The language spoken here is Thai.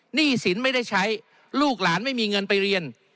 หนี้สินไม่ได้ใช้ลูกหลานไม่มีเงินไปเรียน